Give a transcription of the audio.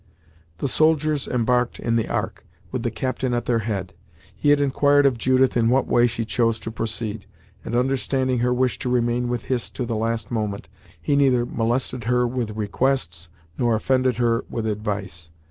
The soldiers embarked in the Ark, with the captain at their head. He had enquired of Judith in what way she chose to proceed, and understanding her wish to remain with Hist to the last moment, he neither molested her with requests, nor offended her with advice.